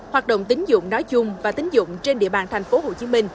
hoạt động tính dụng nói chung và tính dụng trên địa bàn tp hcm